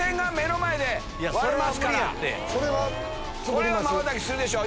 これはまばたきするでしょう。